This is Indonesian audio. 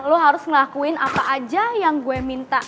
lo harus ngelakuin apa aja yang gue minta